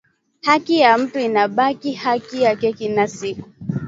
Haki ya mutu inabaki haki yake kila siku